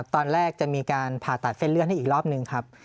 ตอนแรกจะมีการผ่าตัดเส้นเลือดให้อีกรอบนึงครับ